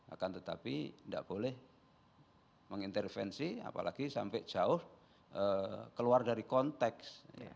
akan tetapi tidak boleh mengintervensi apalagi sampai jauh keluar dari konteks